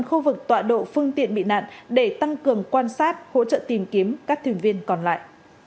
khu vực tọa độ phương tiện bị nạn để tăng cường quan sát hỗ trợ tìm kiếm các thuyền viên còn lại